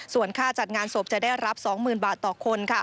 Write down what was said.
ส่วนค่าจัดงานศพจะได้รับ๒๐๐๐บาทต่อคน